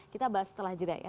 kita bahas setelah jeda ya